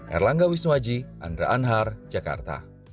erlangga wisnuaji andra anhar jakarta